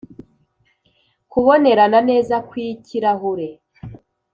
kubonerana neza kwikirahure,